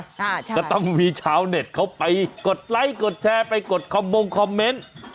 ใช่ก็ต้องมีชาวเน็ตเขาไปกดไลค์กดแชร์ไปกดคอมมงคอมเมนต์